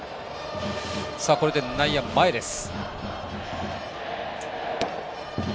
これで内野、前です。